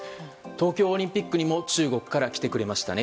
東京オリンピックにも中国から来てくれましたね